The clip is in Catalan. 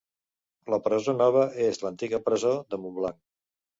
La Presó Nova és l'antiga presó de Montblanc.